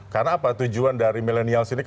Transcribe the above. karena apa tujuan dari milenial ini